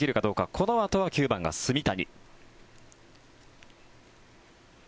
このあとは９番が炭谷。